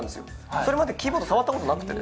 それまでキーボード触ったことなくて。